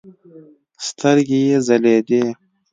سترګې يې ځلېدې.